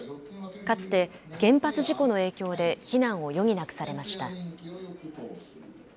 かつて、原発事故の影響で避難を余儀なくされました。